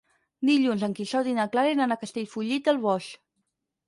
Dilluns en Quixot i na Clara iran a Castellfollit del Boix.